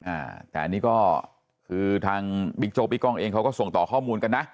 อ่าแต่อันนี้ก็คือทางบิ๊กโจ๊กบิ๊กกล้องเองเขาก็ส่งต่อข้อมูลกันนะ